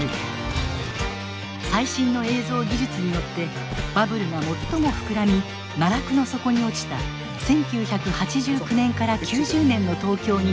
最新の映像技術によってバブルが最も膨らみ奈落の底に落ちた１９８９年から９０年の東京にタイムスリップ